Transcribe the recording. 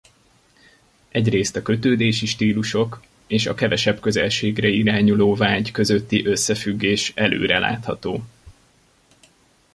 Egyrészt a kötődési stílusok és a kevesebb közelségre irányuló vágy közötti összefüggés előre látható.